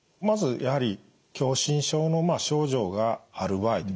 まずやはり狭心症の症状がある場合。